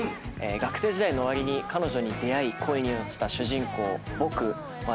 学生時代の終わりに彼女に出会い恋に落ちた主人公僕はですね